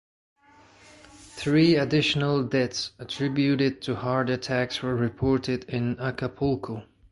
Three additional deaths attributed to heart attacks were reported in Acapulco.